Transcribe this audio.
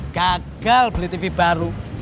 gagal beli tv baru